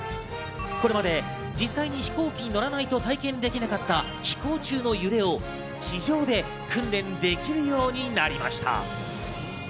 これまで実際に飛行機に乗らないと体験できなかった飛行中の揺れを地上で訓練できるようになりました。